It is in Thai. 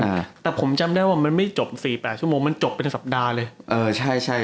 อ่าแต่ผมจำได้ว่ามันไม่จบ๔๘ชั่วโมงมันจะจบมาเเบิดทางสัปดาห์เลย